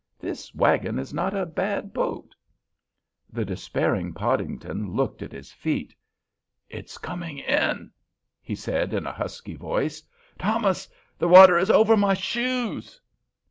This wagon is not a bad boat." The despairing Podington looked at his feet. "It's coming in," he said in a husky voice. "Thomas, the water is over my shoes!"